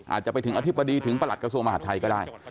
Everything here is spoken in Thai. อาจจะไปถึงอธิบดีถึงประหลัดกระทรวงมหาดไทยก็ได้